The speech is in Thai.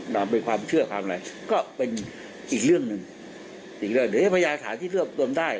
นำเป็นความเชื่อความอะไรก็เป็นอีกเรื่องหนึ่งอีกเรื่องเดี๋ยวจะพยายามฐานที่รวบรวมได้